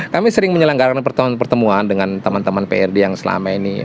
kami sering menyelenggarakan pertemuan pertemuan dengan teman teman prd yang selama ini